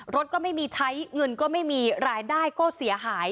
รถก็ไม่มีใช้เงินก็ไม่มีรายได้ก็เสียหาย